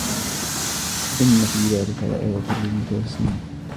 إن في ذلك لآيات للمتوسمين